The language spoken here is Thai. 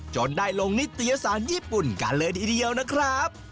จนได้ลงนิตยสารญี่ปุ่นกันเลยทีเดียวนะครับ